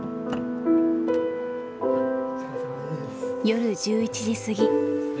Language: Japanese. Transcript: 夜１１時過ぎ。